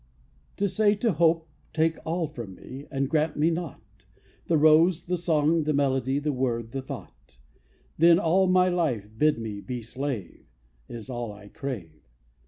To say to hope, Take all from me, And grant me naught: The rose, the song, the melody, The word, the thought: Then all my life bid me be slave, Is all I crave.